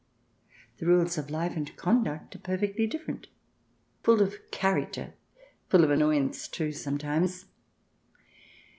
The rules of life and conduct are perfectly different, full of character, full of annoyance, too, sometimes.